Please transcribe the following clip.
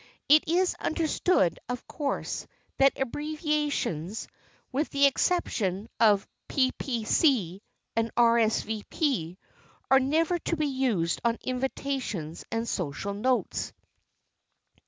It is understood, of course, that abbreviations—with the exception of "P. p. c." and "R. s. v. p."—are never to be used on invitations and social notes.